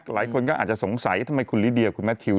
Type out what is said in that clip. หลายคนก็อาจจะสงสัยทำไมคุณลิเดียคุณแมททิว